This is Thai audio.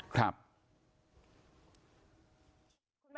ครับ